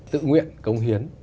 tự nguyện công hiến